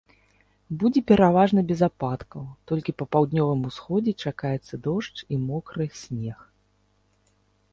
Будзе пераважна без ападкаў, толькі па паўднёвым усходзе чакаецца дождж і мокры снег.